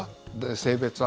性別は？